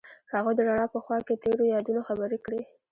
هغوی د رڼا په خوا کې تیرو یادونو خبرې کړې.